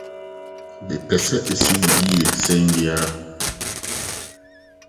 Mepɛ sɛ esi wo yiye sen biara.